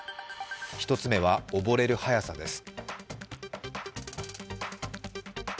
１つ目は溺れる早さです。